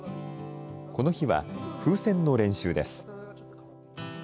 この日は風船の練習です。